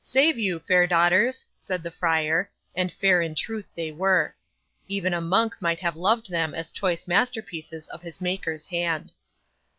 '"Save you, fair daughters!" said the friar; and fair in truth they were. Even a monk might have loved them as choice masterpieces of his Maker's hand.